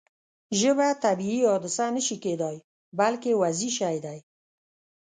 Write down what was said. ژبه طبیعي حادثه نه شي کېدای بلکې وضعي شی دی.